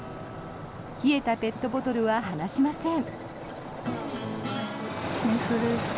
冷えたペットボトルは離しません。